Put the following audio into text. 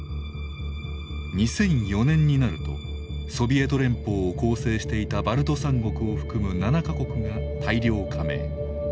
２００４年になるとソビエト連邦を構成していたバルト３国を含む７か国が大量加盟。